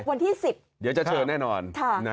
วันที่๑๐เดี๋ยวจะเชิญแน่นอน